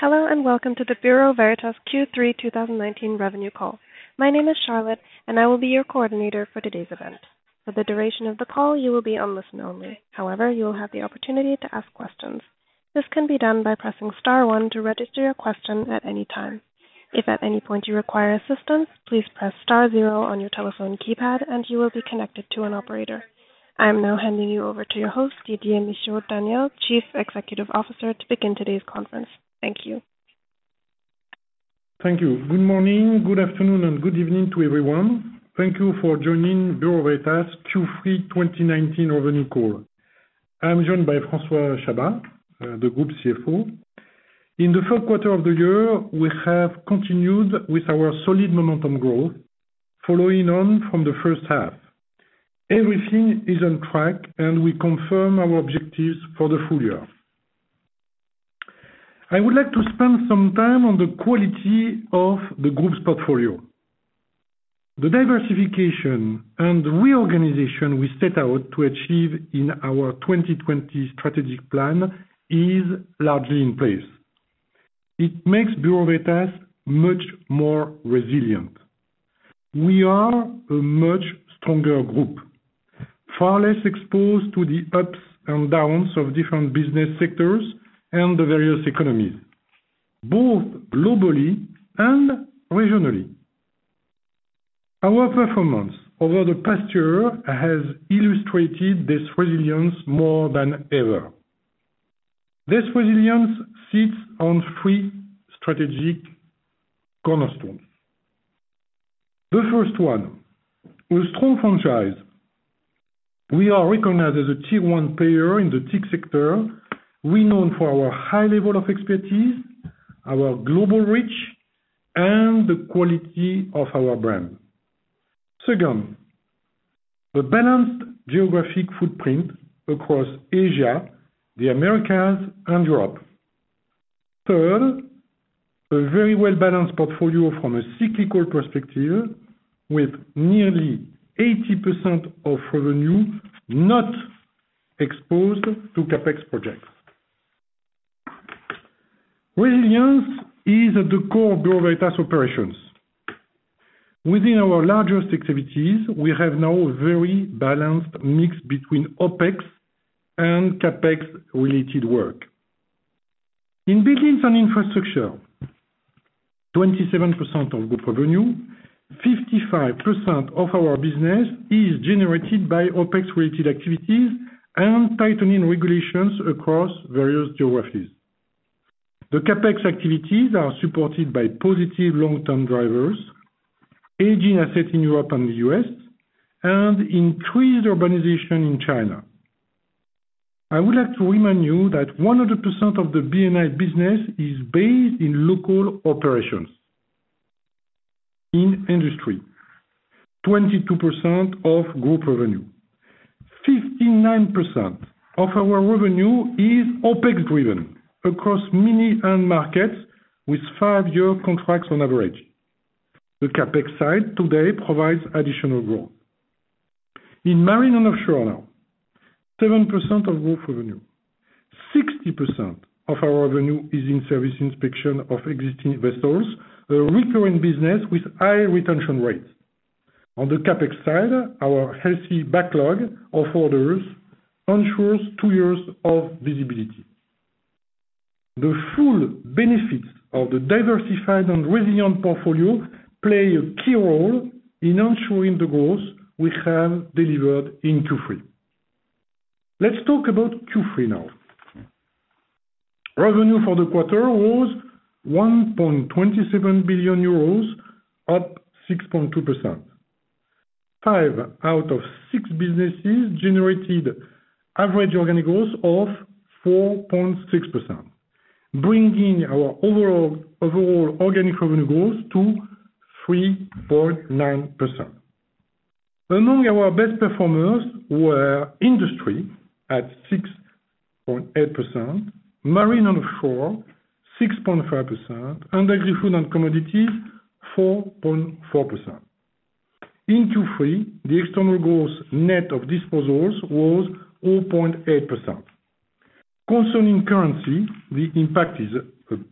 Hello, welcome to the Bureau Veritas Q3 2019 revenue call. My name is Charlotte and I will be your coordinator for today's event. For the duration of the call, you will be on listen only. However, you will have the opportunity to ask questions. This can be done by pressing star 1 to register your question at any time. If at any point you require assistance, please press star 0 on your telephone keypad and you will be connected to an operator. I am now handing you over to your host, Didier Michaud-Daniel, Chief Executive Officer, to begin today's conference. Thank you. Thank you. Good morning, good afternoon, and good evening to everyone. Thank you for joining Bureau Veritas' Q3 2019 revenue call. I am joined by François Chabas, the Group CFO. In the third quarter of the year, we have continued with our solid momentum growth following on from the first half. Everything is on track, and we confirm our objectives for the full year. I would like to spend some time on the quality of the group's portfolio. The diversification and reorganization we set out to achieve in our 2020 strategic plan is largely in place. It makes Bureau Veritas much more resilient. We are a much stronger group, far less exposed to the ups and downs of different business sectors and the various economies, both globally and regionally. Our performance over the past year has illustrated this resilience more than ever. This resilience sits on three strategic cornerstones. The first one, a strong franchise. We are recognized as a tier 1 player in the TIC sector, renowned for our high level of expertise, our global reach, and the quality of our brand. Second, a balanced geographic footprint across Asia, the Americas, and Europe. Third, a very well-balanced portfolio from a cyclical perspective with nearly 80% of revenue not exposed to CapEx projects. Resilience is at the core of Bureau Veritas operations. Within our largest activities, we have now a very balanced mix between OpEx and CapEx related work. In Buildings & Infrastructure, 27% of group revenue, 55% of our business is generated by OpEx related activities and tightening regulations across various geographies. The CapEx activities are supported by positive long-term drivers, aging assets in Europe and the U.S. Increased urbanization in China. I would like to remind you that 100% of the B&I business is based in local operations. In industry, 22% of group revenue, 59% of our revenue is OpEx driven across many end markets with five-year contracts on average. The CapEx side today provides additional growth. In Marine & Offshore now, 7% of group revenue, 60% of our revenue is in service inspection of existing vessels, a recurring business with high retention rates. On the CapEx side, our healthy backlog of orders ensures two years of visibility. The full benefits of the diversified and resilient portfolio play a key role in ensuring the growth we have delivered in Q3. Let's talk about Q3 now. Revenue for the quarter was 1.27 billion euros, up 6.2%. Five out of six businesses generated average organic growth of 4.6%, bringing our overall organic revenue growth to 3.9%. Among our best performers were industry at 6.8%, Marine & Offshore 6.5%, and Agri-Food & Commodities 4.4%. In Q3, the external growth net of disposals was 0.8%. Concerning currency, the impact is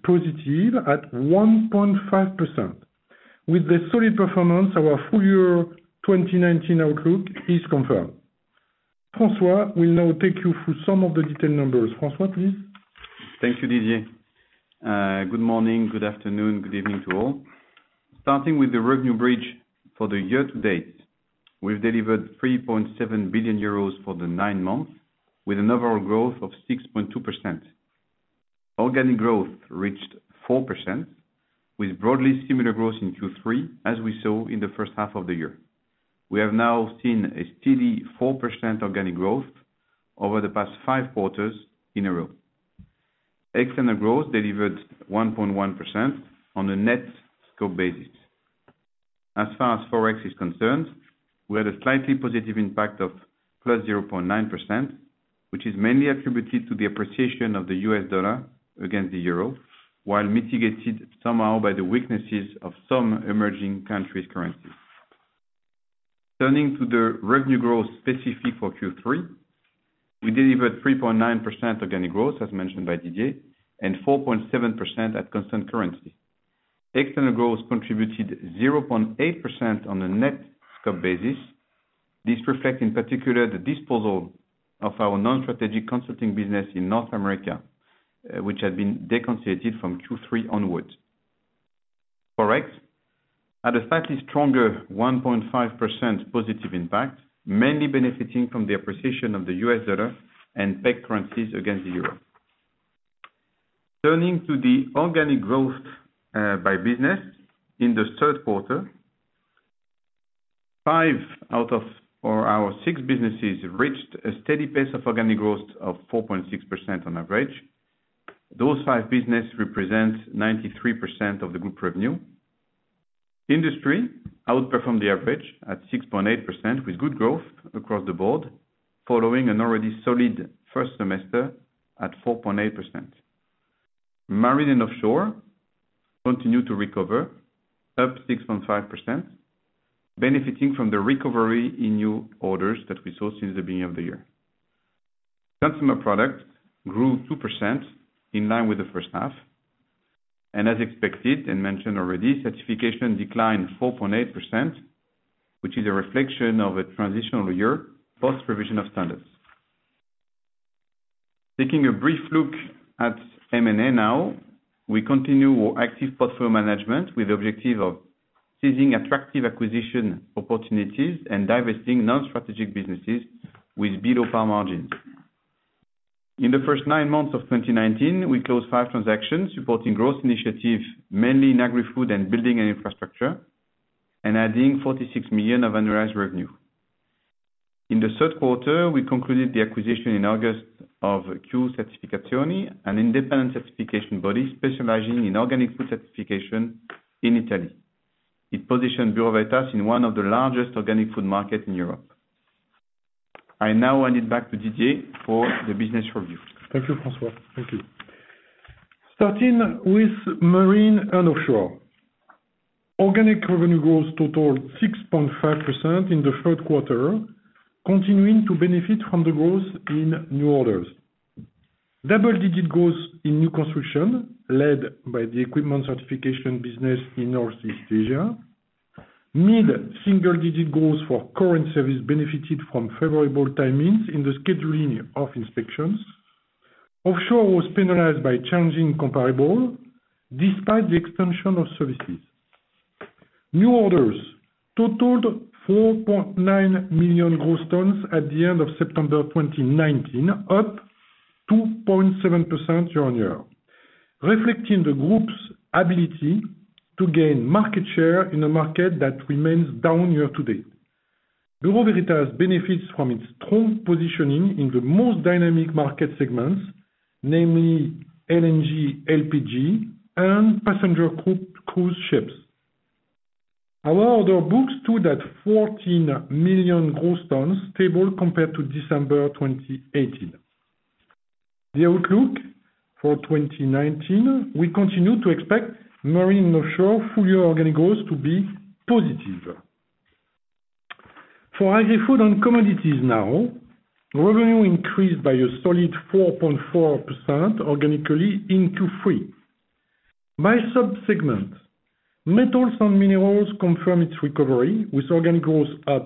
positive at 1.5%. With this solid performance, our full year 2019 outlook is confirmed. François will now take you through some of the detailed numbers. François, please. Thank you, Didier. Good morning, good afternoon, good evening to all. Starting with the revenue bridge for the year to date. We've delivered 3.7 billion euros for the nine months with an overall growth of 6.2%. Organic growth reached 4%, with broadly similar growth in Q3 as we saw in the first half of the year. We have now seen a steady 4% organic growth over the past five quarters in a row. External growth delivered 1.1% on a net scope basis. As far as ForEx is concerned, we had a slightly positive impact of plus 0.9%, which is mainly attributed to the appreciation of the US dollar against the euro, while mitigated somehow by the weaknesses of some emerging countries' currencies. Turning to the revenue growth specific for Q3, we delivered 3.9% organic growth, as mentioned by Didier, and 4.7% at constant currency. External growth contributed 0.8% on a net scope basis. This reflects, in particular, the disposal of our non-strategic consulting business in North America, which had been deconsolidated from Q3 onwards. For ForEx, at a slightly stronger 1.5% positive impact, mainly benefiting from the appreciation of the US dollar and PAC currencies against the euro. Turning to the organic growth by business in the third quarter, five out of our six businesses reached a steady pace of organic growth of 4.6% on average. Those five business represent 93% of the group revenue. Industry outperformed the average at 6.8%, with good growth across the board, following an already solid first semester at 4.8%. Marine & Offshore continued to recover, up 6.5%, benefiting from the recovery in new orders that we saw since the beginning of the year. Consumer product grew 2% in line with the first half. As expected and mentioned already, certification declined 4.8%, which is a reflection of a transitional year post provision of standards. Taking a brief look at M&A now, we continue our active portfolio management with the objective of seizing attractive acquisition opportunities and divesting non-strategic businesses with below par margins. In the first nine months of 2019, we closed five transactions supporting growth initiatives mainly in Agri-Food and Buildings & Infrastructure, adding 46 million of annualized revenue. In the third quarter, we concluded the acquisition in August of Q Certificazioni, an independent certification body specializing in organic food certification in Italy. It positioned Bureau Veritas in one of the largest organic food market in Europe. I now hand it back to Didier for the business review. Thank you, François. Thank you. Starting with Marine & Offshore. Organic revenue growth totaled 6.5% in the third quarter, continuing to benefit from the growth in new orders. Double-digit growth in new construction led by the equipment certification business in Northeast Asia. Mid-single digit growth for current service benefited from favorable timings in the scheduling of inspections. Offshore was penalized by challenging comparable despite the expansion of services. New orders totaled 4.9 million gross tons at the end of September 2019, up 2.7% year-on-year, reflecting the group's ability to gain market share in a market that remains down year-to-date. Bureau Veritas benefits from its strong positioning in the most dynamic market segments, namely LNG, LPG, and passenger cruise ships. Our order books stood at 14 million gross tons, stable compared to December 2018. The outlook for 2019, we continue to expect Marine & Offshore full year organic growth to be positive. For Agri-Food & Commodities now, revenue increased by a solid 4.4% organically in Q3. By sub-segments, metals and minerals confirm its recovery with organic growth at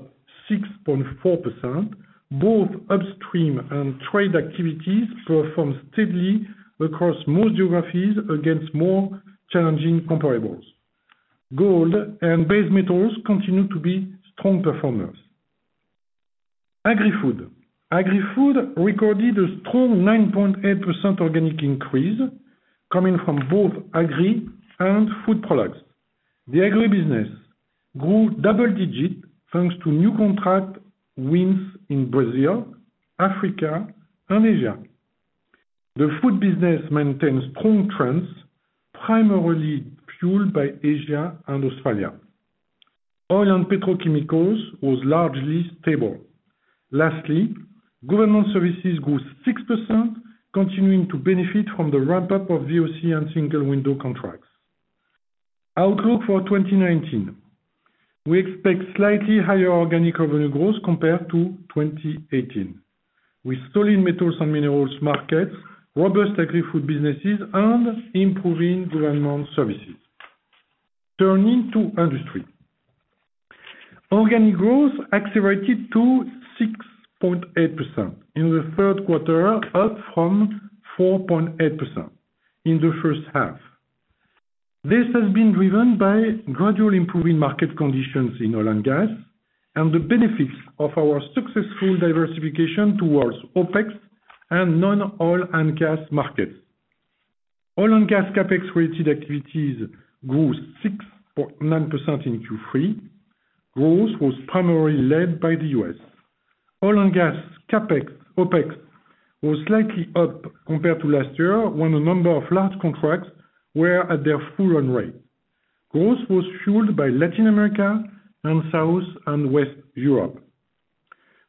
6.4%, both upstream and trade activities performed steadily across most geographies against more challenging comparables. Gold and base metals continue to be strong performers. Agri-Food. Agri-Food recorded a strong 9.8% organic increase coming from both Agri and Food products. The Agri business grew double digit, thanks to new contract wins in Brazil, Africa, and Asia. The Food business maintains strong trends, primarily fueled by Asia and Australia. Oil and petrochemicals was largely stable. Lastly, Government Services grew 6%, continuing to benefit from the ramp-up of VOC and single window contracts. Outlook for 2019. We expect slightly higher organic revenue growth compared to 2018, with solid metals and minerals markets, robust agri-food businesses, and improving government services. Turning to industry. Organic growth accelerated to 6.8% in the third quarter, up from 4.8% in the first half. This has been driven by gradual improving market conditions in oil and gas and the benefits of our successful diversification towards OpEx and non-oil and gas markets. Oil and gas CapEx related activities grew 6.9% in Q3. Growth was primarily led by the U.S. Oil and gas CapEx, OpEx was slightly up compared to last year, when a number of large contracts were at their full run rate. Growth was fueled by Latin America and South and West Europe.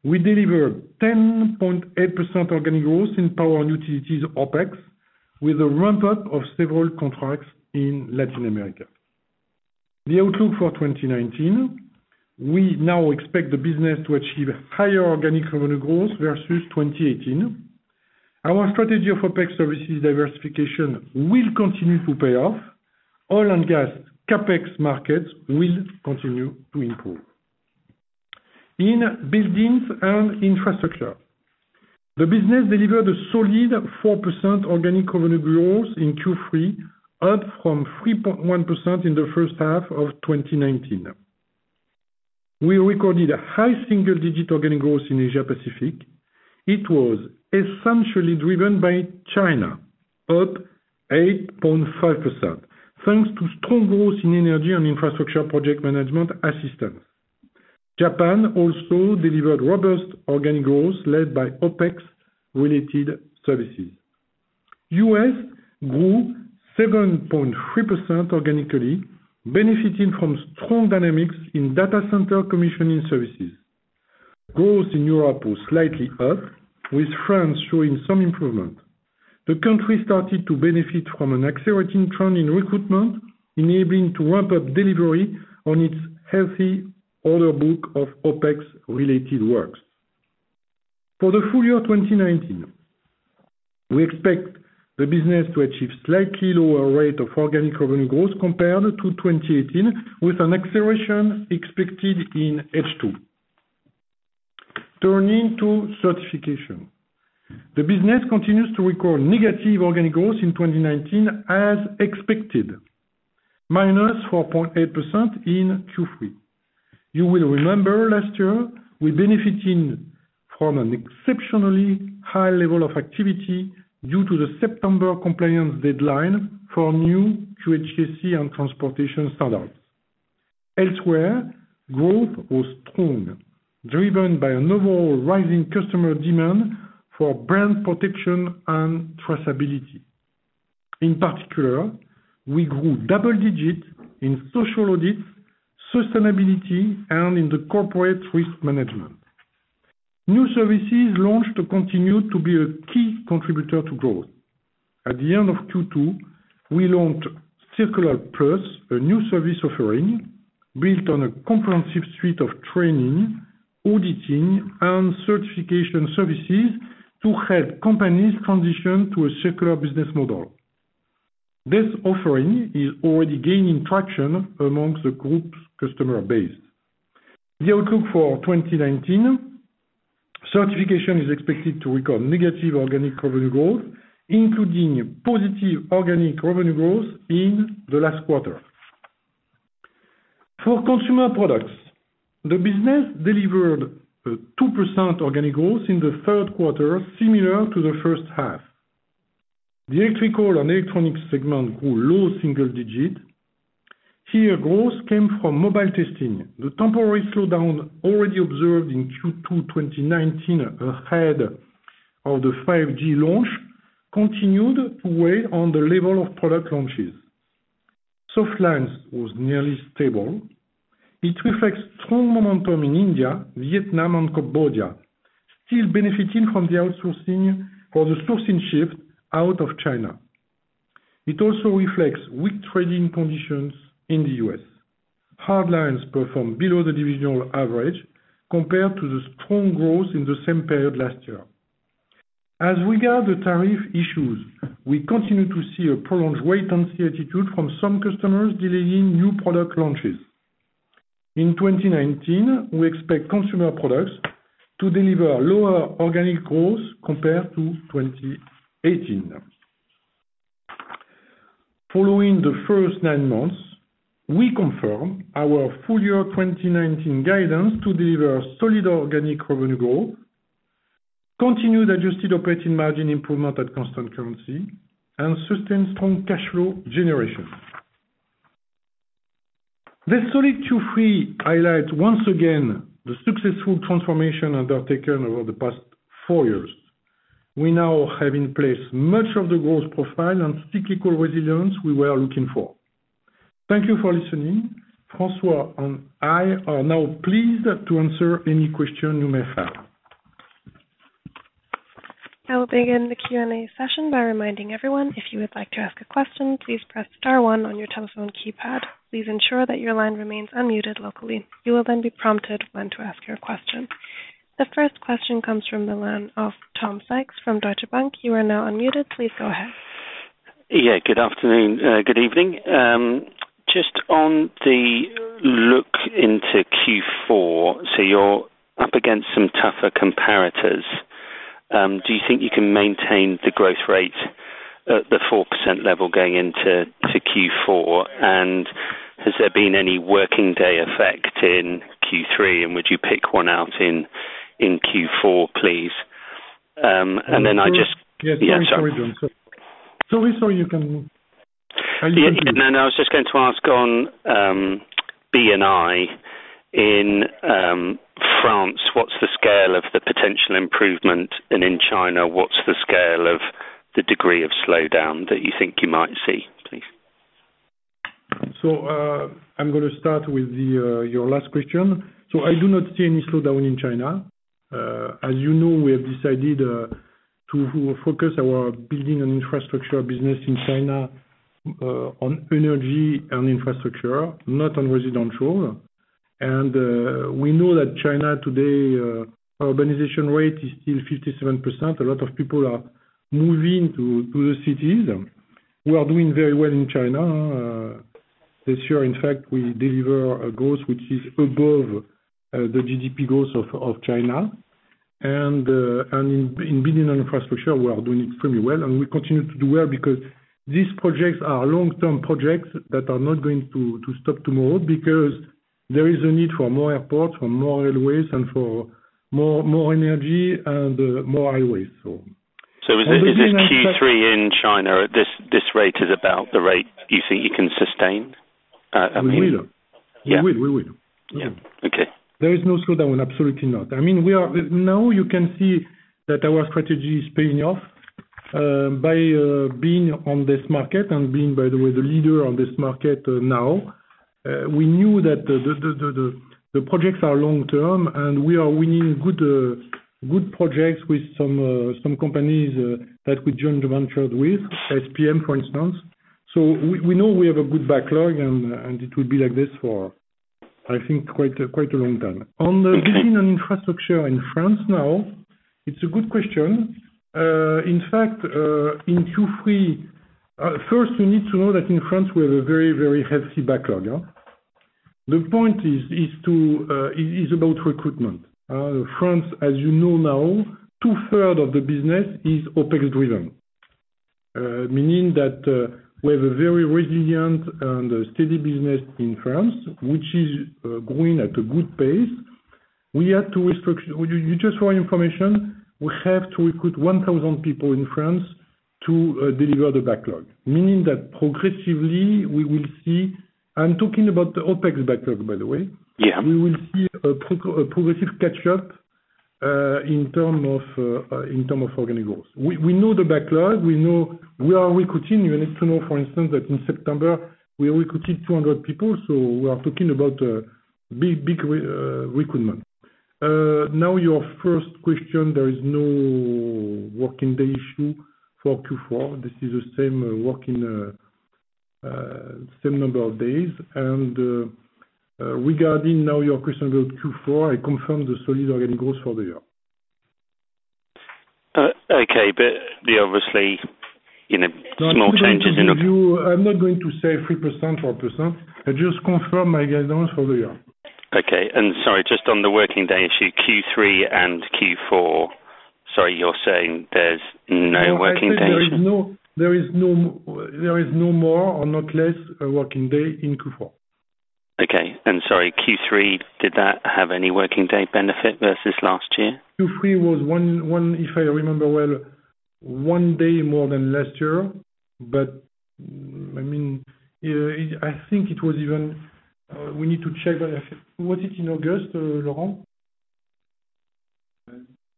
We delivered 10.8% organic growth in power and utilities OpEx, with a ramp-up of several contracts in Latin America. The outlook for 2019, we now expect the business to achieve higher organic revenue growth versus 2018. Our strategy of OpEx services diversification will continue to pay off. Oil and gas CapEx markets will continue to improve. In Buildings & Infrastructure, the business delivered a solid 4% organic revenue growth in Q3, up from 3.1% in the first half of 2019. We recorded a high single-digit organic growth in Asia Pacific. It was essentially driven by China, up 8.5%, thanks to strong growth in energy and infrastructure project management assistance. Japan also delivered robust organic growth led by OpEx-related services. U.S. grew 7.3% organically, benefiting from strong dynamics in data center commissioning services. Growth in Europe was slightly up, with France showing some improvement. The country started to benefit from an accelerating trend in recruitment, enabling to ramp up delivery on its healthy order book of OpEx-related works. For the full year 2019, we expect the business to achieve slightly lower rate of organic revenue growth compared to 2018, with an acceleration expected in H2. Turning to certification. The business continues to record negative organic growth in 2019 as expected, -4.8% in Q3. You will remember last year, we benefited from an exceptionally high level of activity due to the September compliance deadline for new QHSE and transportation standards. Elsewhere, growth was strong, driven by an overall rising customer demand for brand protection and traceability. In particular, we grew double digits in social audits, sustainability, and in the corporate risk management. New services launched continue to be a key contributor to growth. At the end of Q2, we launched Circular+, a new service offering built on a comprehensive suite of training, auditing, and certification services to help companies transition to a circular business model. This offering is already gaining traction amongst the group's customer base. The outlook for 2019, certification is expected to record negative organic revenue growth, including positive organic revenue growth in the last quarter. For consumer products, the business delivered 2% organic growth in the third quarter, similar to the first half. The electrical and electronic segment grew low single digit. Here, growth came from mobile testing. The temporary slowdown already observed in Q2 2019 ahead of the 5G launch continued to weigh on the level of product launches. Softline was nearly stable. It reflects strong momentum in India, Vietnam, and Cambodia, still benefiting from the outsourcing for the sourcing shift out of China. It also reflects weak trading conditions in the U.S. Hardlines performed below the divisional average compared to the strong growth in the same period last year. As we gather tariff issues, we continue to see a prolonged wait-and-see attitude from some customers delaying new product launches. In 2019, we expect consumer products to deliver lower organic growth compared to 2018. Following the first nine months, we confirm our full year 2019 guidance to deliver solid organic revenue growth, continued adjusted operating margin improvement at constant currency, and sustained strong cash flow generation. This solid Q3 highlights once again the successful transformation undertaken over the past four years. We now have in place much of the growth profile and cyclical resilience we were looking for. Thank you for listening. François and I are now pleased to answer any question you may have. I will begin the Q&A session by reminding everyone, if you would like to ask a question, please press star one on your telephone keypad. Please ensure that your line remains unmuted locally. You will then be prompted when to ask your question. The first question comes from the line of Tom Sykes from Deutsche Bank. You are now unmuted. Please go ahead. Yeah. Good afternoon. Good evening. Just on the look into Q4, you're up against some tougher comparators. Do you think you can maintain the growth rate at the 4% level going into Q4? Has there been any working day effect in Q3, and would you pick one out in Q4, please? Yes, sorry, Tom. You can No, I was just going to ask on B&I in France, what's the scale of the potential improvement? In China, what's the scale of the degree of slowdown that you think you might see, please? I'm going to start with your last question. I do not see any slowdown in China. As you know, we have decided to focus our Buildings & Infrastructure business in China on energy and infrastructure, not on residential. We know that China today, urbanization rate is still 57%. A lot of people are moving to the cities. We are doing very well in China. This year, in fact, we deliver a growth which is above the GDP growth of China. In Buildings & Infrastructure, we are doing extremely well, and we continue to do well because these projects are long-term projects that are not going to stop tomorrow because there is a need for more airports, for more railways, and for more energy and, more highways. Is this Q3 in China at this rate is about the rate you think you can sustain? We will. Yeah. We will. Yeah. Okay. There is no slowdown. Absolutely not. Now you can see that our strategy is paying off, by being on this market and being, by the way, the leader on this market now. We knew that the projects are long-term, we are winning good projects with some companies that we joint ventured with, SPM for instance. We know we have a good backlog and it will be like this for, I think, quite a long time. On the Buildings & Infrastructure in France now, it's a good question. In fact, first you need to know that in France we have a very, very healthy backlog. The point is about recruitment. France, as you know now, two-third of the business is OpEx driven, meaning that, we have a very resilient and a steady business in France, which is growing at a good pace. Just for your information, we have to recruit 1,000 people in France to deliver the backlog. Meaning that progressively we will see. I'm talking about the OpEx backlog, by the way. Yeah. We will see a progressive catch up in terms of organic growth. We know the backlog. We are recruiting. You need to know, for instance, that in September we recruited 200 people, so we are talking about big recruitment. Now your first question, there is no working day issue for Q4. This is the same number of days. Regarding now your question about Q4, I confirm the solid organic growth for the year. Okay. Obviously, small changes in the. I'm not going to say 3%, 4%. I just confirm my guidance for the year. Okay. Sorry, just on the working day issue, Q3 and Q4, sorry, you're saying there's no working day issue? I said there is no more or not less a working day in Q4. Okay. Sorry, Q3, did that have any working day benefit versus last year? Q3 was, if I remember well, one day more than last year. I think it was. We need to check. Was it in August, Laurent?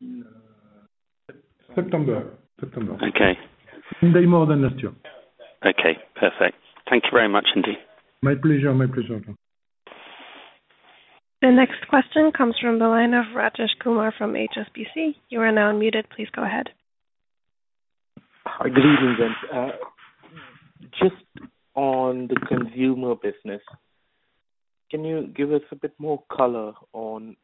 In September. September. Okay. One day more than last year. Okay, perfect. Thank you very much indeed. My pleasure. The next question comes from the line of Rajesh Kumar from HSBC. You are now unmuted. Please go ahead. Good evening, guys. Just on the consumer business, can you give us a bit more color on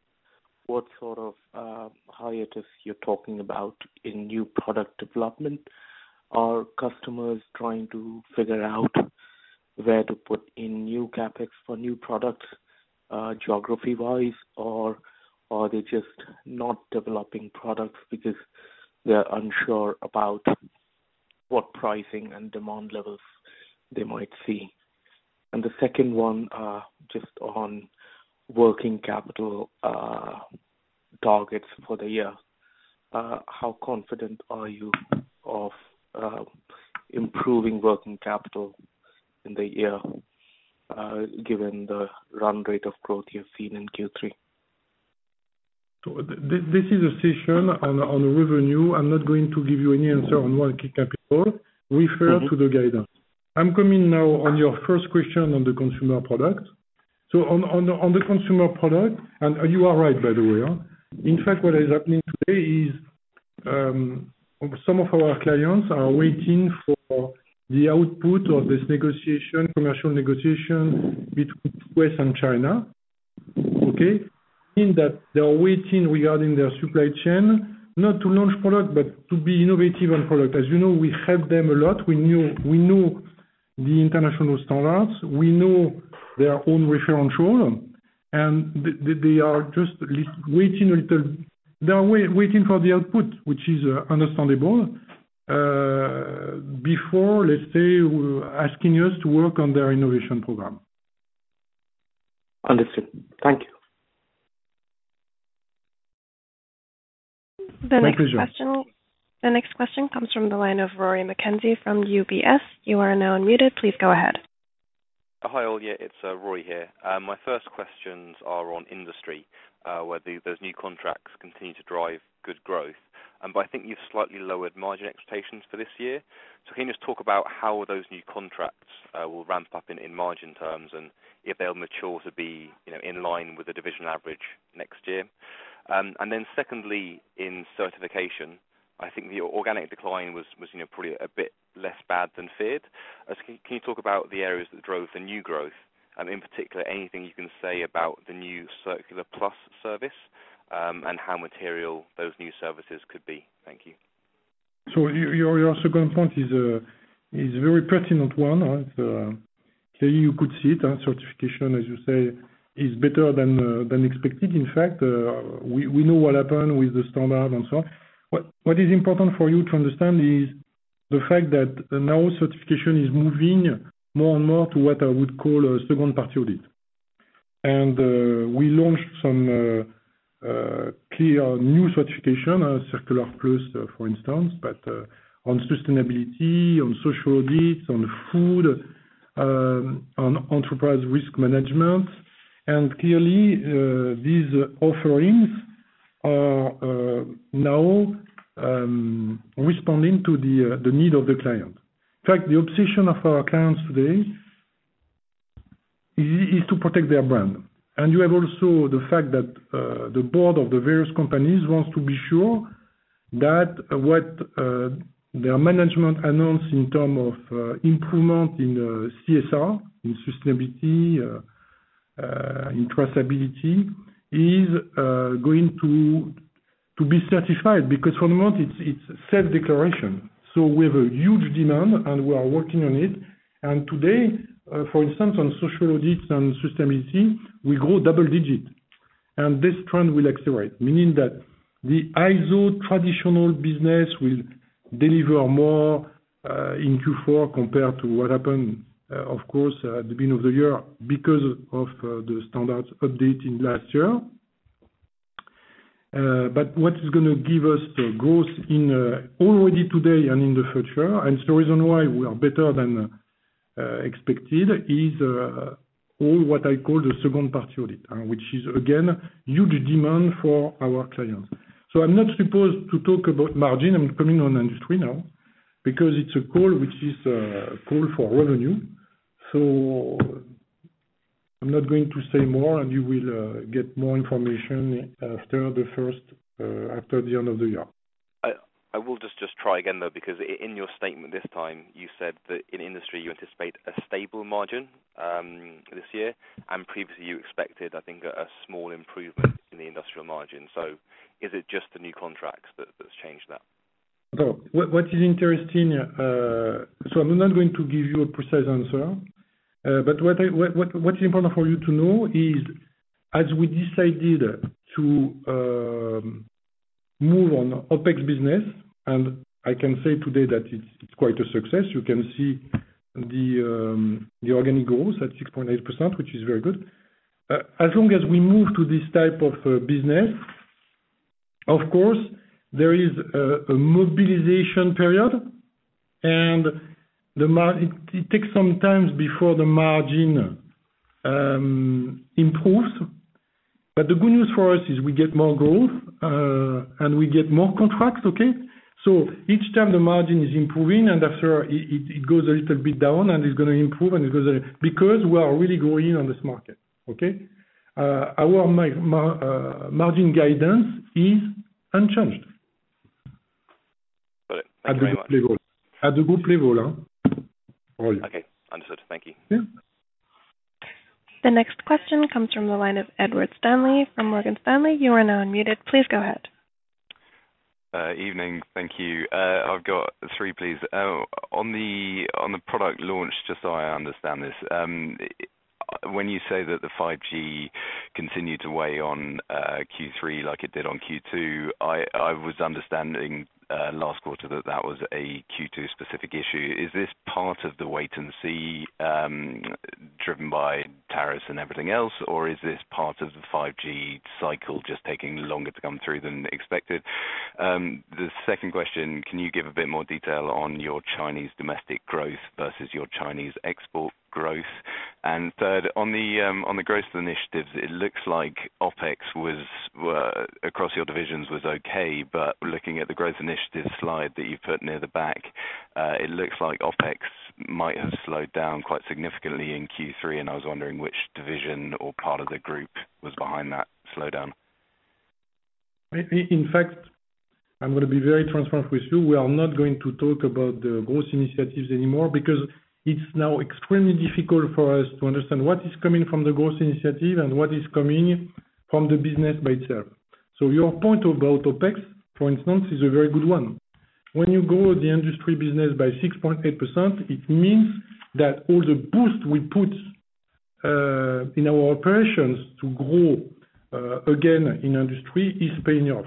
what sort of hiatus you're talking about in new product development? Are customers trying to figure out where to put in new CapEx for new products, geography-wise, or are they just not developing products because they're unsure about what pricing and demand levels they might see? The second one, just on working capital targets for the year. How confident are you of improving working capital in the year, given the run rate of growth you've seen in Q3? This is a session on revenue. I'm not going to give you any answer on working capital. Refer to the guidance. I'm coming now on your first question on the consumer product. On the consumer product, and you are right, by the way. In fact, what is happening today is, some of our clients are waiting for the output of this negotiation, commercial negotiation between U.S. and China. Okay. In that they are waiting regarding their supply chain, not to launch product, but to be innovative on product. As you know, we help them a lot. We know the international standards, we know their own referential, and they are just waiting for the output, which is understandable, before, let's say, asking us to work on their innovation program. Understood. Thank you. My pleasure. The next question comes from the line of Rory McKenzie from UBS. You are now unmuted. Please go ahead. Hi, Olia, it's Rory here. My first questions are on industry, where those new contracts continue to drive good growth. I think you've slightly lowered margin expectations for this year. Can you just talk about how those new contracts will ramp up in margin terms and if they'll mature to be in line with the division average next year? Secondly, in certification, I think the organic decline was probably a bit less bad than feared. Can you talk about the areas that drove the new growth and in particular, anything you can say about the new Circular+ service, and how material those new services could be? Thank you. Your second point is a very pertinent one. Here you could see it, certification, as you say, is better than expected. In fact, we know what happened with the standard and so on. What is important for you to understand is the fact that now certification is moving more and more to what I would call a second-party audit. We launched some key new certification, Circular+, for instance, but on sustainability, on social audits, on food, on enterprise risk management. Clearly, these offerings are now responding to the need of the client. In fact, the obsession of our clients today is to protect their brand. You have also the fact that the board of the various companies wants to be sure that what their management announce in terms of improvement in CSR, in sustainability, in traceability is going to be certified, because for the moment it's self-declaration. We have a huge demand, and we are working on it. Today, for instance, on social audits and sustainability, we grow double-digit. This trend will accelerate, meaning that the ISO traditional business will deliver more in Q4 compared to what happened, of course, at the beginning of the year because of the standards update in last year. What is going to give us the growth already today and in the future, and the reason why we are better than expected is all what I call the second-party audit, which is again, huge demand for our clients. I'm not supposed to talk about margin. I'm coming on Industry now because it's a call which is a call for revenue. I'm not going to say more, and you will get more information after the end of the year. I will just try again, though, because in your statement this time, you said that in Industry you anticipate a stable margin this year. Previously you expected, I think a small improvement in the Industrial margin. Is it just the new contracts that's changed that? What is interesting, so I'm not going to give you a precise answer. What's important for you to know is as we decided to move on OpEx business, and I can say today that it's quite a success. You can see the organic growth at 6.8%, which is very good. As long as we move to this type of business, of course, there is a mobilization period, and it takes some time before the margin improves. The good news for us is we get more growth, and we get more contracts. Okay. Each time the margin is improving, and after it goes a little bit down, and it's going to improve, and it goes down. Because we are really growing on this market. Okay. Our margin guidance is unchanged. Got it. Thank you very much. At the group level. Okay, understood. Thank you. Yeah. The next question comes from the line of Ed Stanley from Morgan Stanley. You are now unmuted. Please go ahead. Evening. Thank you. I've got three, please. On the product launch, just so I understand this. When you say that the 5G continued to weigh on Q3 like it did on Q2, I was understanding last quarter that was a Q2 specific issue. Is this part of the wait and see driven by tariffs and everything else, or is this part of the 5G cycle just taking longer to come through than expected? The second question, can you give a bit more detail on your Chinese domestic growth versus your Chinese export growth? Third, on the growth initiatives, it looks like OpEx across your divisions was okay, but looking at the growth initiatives slide that you put near the back, it looks like OpEx might have slowed down quite significantly in Q3, and I was wondering which division or part of the group was behind that slowdown. I'm going to be very transparent with you. We are not going to talk about the growth initiatives anymore because it's now extremely difficult for us to understand what is coming from the growth initiative and what is coming from the business by itself. Your point about OpEx, for instance, is a very good one. When you grow the industry business by 6.8%, it means that all the boost we put in our operations to grow again in industry is paying off.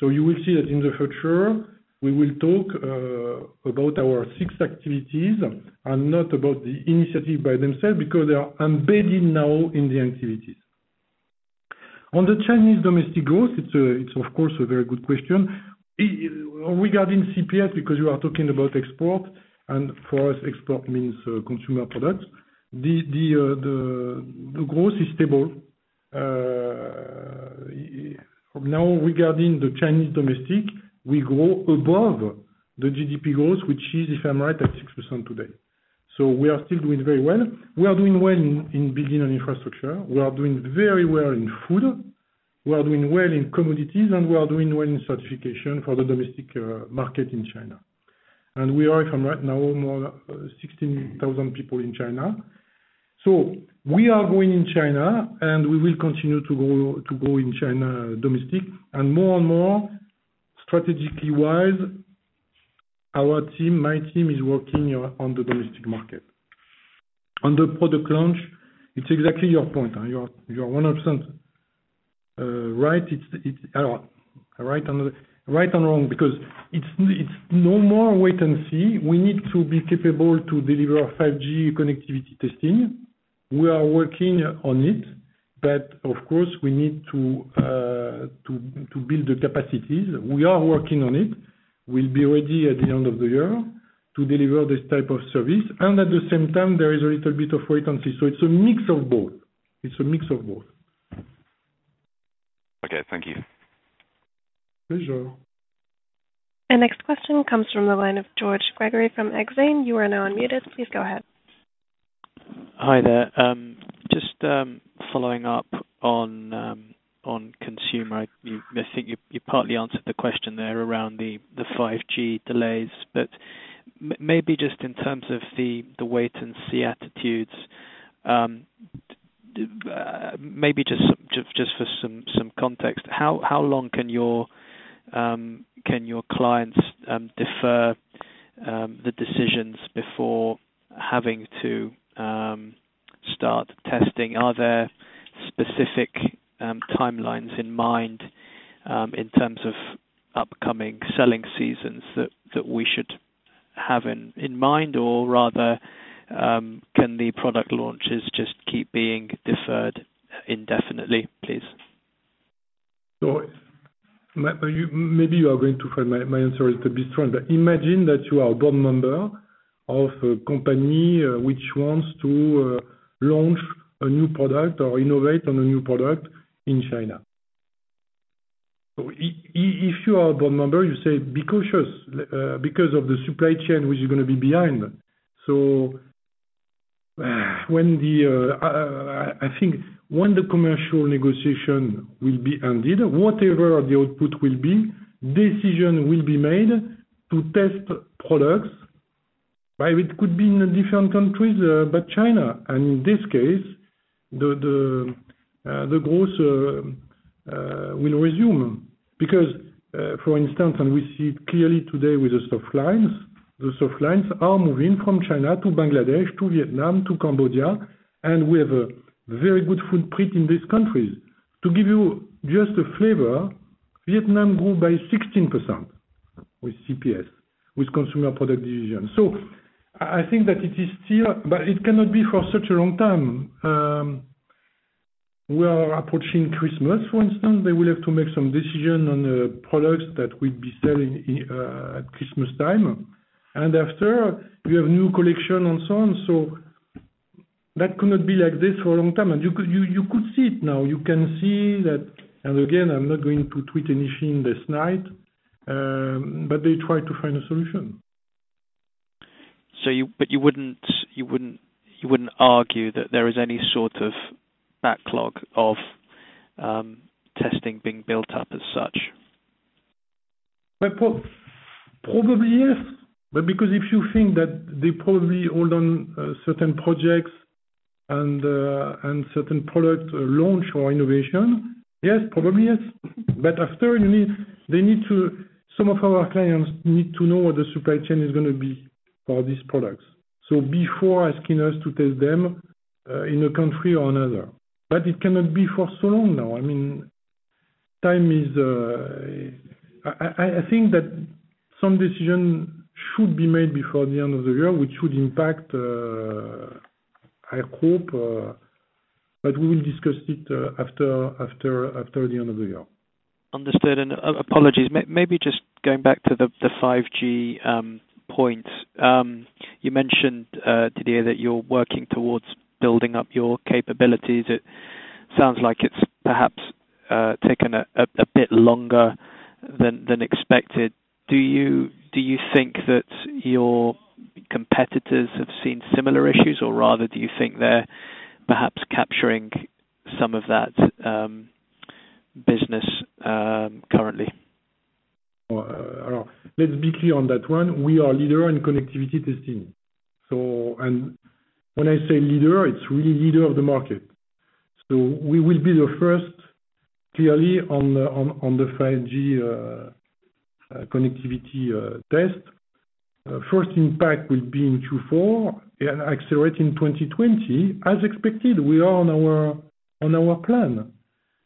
You will see that in the future, we will talk about our 6 activities and not about the initiative by themselves because they are embedded now in the activities. On the Chinese domestic growth, it's of course a very good question. Regarding CPS, because you are talking about export, for us export means consumer products. The growth is stable. Regarding the China domestic, we grow above the GDP growth, which is, if I'm right, at 6% today. We are still doing very well. We are doing well in Buildings & Infrastructure. We are doing very well in food. We are doing well in commodities, and we are doing well in certification for the domestic market in China. We are, if I'm right, now more, 16,000 people in China. We are growing in China, and we will continue to grow in China domestic. More and more strategically wise, our team, my team, is working on the domestic market. On the product launch, it's exactly your point. You are 100% right. It's right and wrong because it's no more wait and see. We need to be capable to deliver 5G connectivity testing. We are working on it. Of course, we need to build the capacities. We are working on it. We'll be ready at the end of the year to deliver this type of service. At the same time, there is a little bit of wait and see. It's a mix of both. Okay. Thank you. Pleasure. Our next question comes from the line of George Gregory from Exane. You are now unmuted. Please go ahead. Hi there. Just following up on consumer. I think you partly answered the question there around the 5G delays, maybe just in terms of the wait and see attitudes, maybe just for some context, how long can your clients defer the decisions before having to start testing? Are there specific timelines in mind, in terms of upcoming selling seasons that we should have in mind or rather, can the product launches just keep being deferred indefinitely, please? Maybe you are going to find my answer is a bit strong, but imagine that you are a board member of a company which wants to launch a new product or innovate on a new product in China. If you are a board member, you say, "Be cautious because of the supply chain, which is going to be behind." I think once the commercial negotiation will be ended, whatever the output will be, decision will be made to test products, but it could be in different countries but China. In this case, the growth will resume because, for instance, and we see it clearly today with the soft lines. The soft lines are moving from China to Bangladesh to Vietnam to Cambodia, and we have a very good footprint in these countries. To give you just a flavor, Vietnam grew by 16% with CPS, with Consumer Product division. I think that it cannot be for such a long time. We are approaching Christmas, for instance. They will have to make some decision on the products that we'd be selling at Christmas time. After, we have new collection and so on. That could not be like this for a long time. You could see it now. Again, I'm not going to tweet anything this night, they try to find a solution. You wouldn't argue that there is any sort of backlog of testing being built up as such? Well, probably, yes. Because if you think that they probably hold on certain projects and certain product launch or innovation, yes, probably, yes. After, some of our clients need to know what the supply chain is going to be for these products. Before asking us to test them in a country or another. It cannot be for so long now. I think that some decision should be made before the end of the year, which would impact, I hope, but we will discuss it after the end of the year. Understood. Apologies. Maybe just going back to the 5G points. You mentioned today that you're working towards building up your capabilities. It sounds like it's perhaps taken a bit longer than expected. Do you think that your competitors have seen similar issues, or rather do you think they're perhaps capturing some of that business currently? Let's be clear on that one. We are leader in connectivity testing. When I say leader, it's really leader of the market. We will be the first, clearly, on the 5G connectivity test. First impact will be in Q4 and accelerate in 2020 as expected. We are on our plan.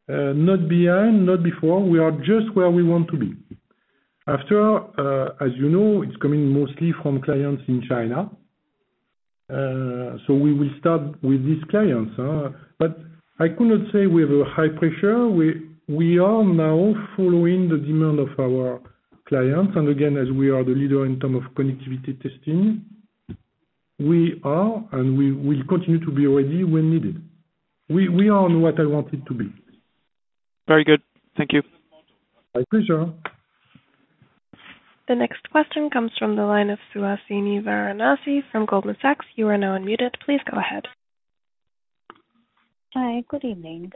Not behind, not before. We are just where we want to be. After, as you know, it's coming mostly from clients in China. We will start with these clients. I could not say we have a high pressure. We are now following the demand of our clients. Again, as we are the leader in term of connectivity testing. We are, and we will continue to be ready when needed. We are on what I want it to be. Very good. Thank you. My pleasure. The next question comes from the line of Suhasini Varanasi from Goldman Sachs. You are now unmuted. Please go ahead. Hi. Good evening.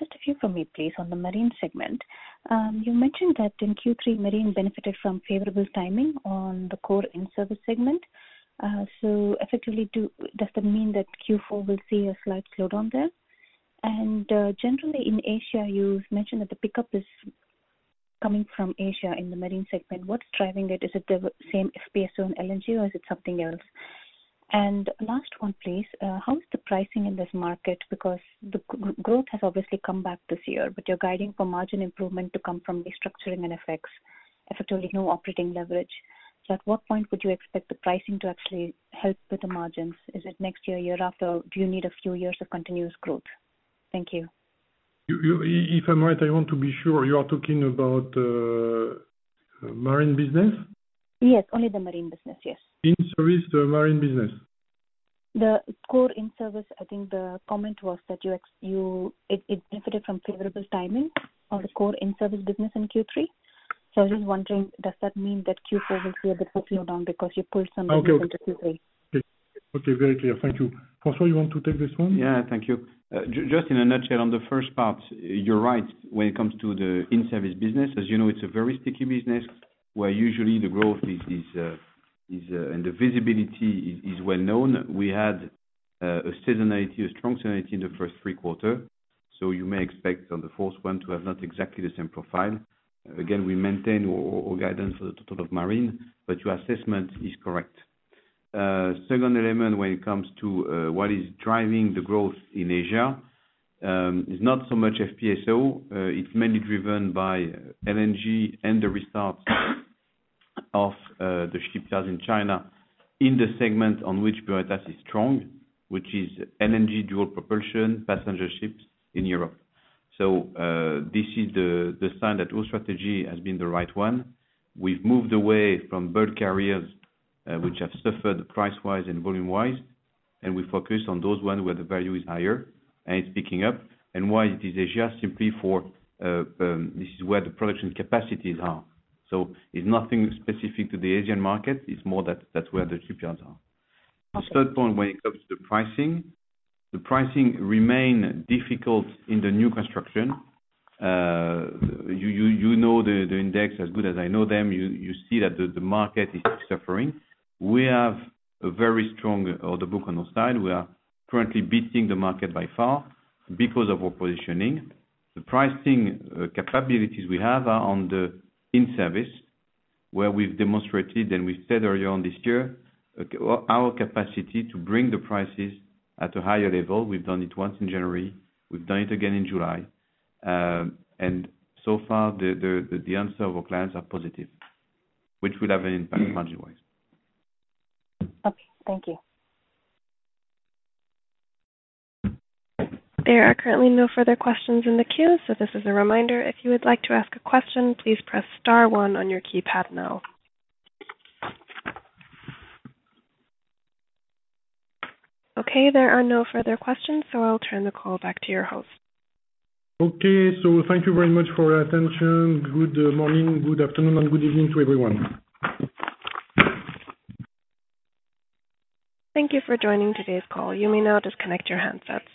Just a few from me, please, on the Marine segment. You mentioned that in Q3, Marine benefited from favorable timing on the core in-service segment. Effectively, does that mean that Q4 will see a slight slowdown there? Generally in Asia, you've mentioned that the pickup is coming from Asia in the Marine segment. What's driving it? Is it the same FPSO and LNG, or is it something else? Last one, please. How is the pricing in this market? Because the growth has obviously come back this year, but you're guiding for margin improvement to come from restructuring and ForEx, effectively no operating leverage. At what point would you expect the pricing to actually help with the margins? Is it next year after? Do you need a few years of continuous growth? Thank you. If I might, I want to be sure you are talking about marine business? Yes. Only the marine business. Yes. In-service Marine business. The core in-service, I think the comment was that it benefited from favorable timing on the core in-service business in Q3. I was just wondering, does that mean that Q4 will see a bit of a slowdown because you pulled some into Q3? Okay. Very clear. Thank you. François, you want to take this one? Yeah. Thank you. Just in a nutshell, on the first part, you're right when it comes to the in-service business. As you know, it's a very sticky business, where usually the growth and the visibility is well known. We had a seasonality, a strong seasonality in the first three quarter, so you may expect on the fourth one to have not exactly the same profile. Again, we maintain our guidance for the total of Marine, but your assessment is correct. Second element when it comes to what is driving the growth in Asia, is not so much FPSO. It's mainly driven by LNG and the restart of the shipyards in China in the segment on which Veritas is strong, which is LNG dual propulsion passenger ships in Europe. This is the sign that our strategy has been the right one. We've moved away from bulk carriers, which have suffered price-wise and volume-wise, we focus on those one where the value is higher, and it's picking up. Why it is Asia? Simply for, this is where the production capacities are. It's nothing specific to the Asian market. It's more that that's where the shipyards are. Third point, when it comes to pricing. The pricing remain difficult in the new construction. You know the index as good as I know them. You see that the market is suffering. We have a very strong order book on our side. We are currently beating the market by far because of our positioning. The pricing capabilities we have are on the in-service, where we've demonstrated, and we said earlier on this year, our capacity to bring the prices at a higher level. We've done it once in January, we've done it again in July. So far, the answer of our clients are positive, which will have an impact margin-wise. Okay. Thank you. There are currently no further questions in the queue. This is a reminder. If you would like to ask a question, please press star one on your keypad now. Okay, there are no further questions. I'll turn the call back to your host. Okay. Thank you very much for your attention. Good morning, good afternoon, and good evening to everyone. Thank you for joining today's call. You may now disconnect your handsets.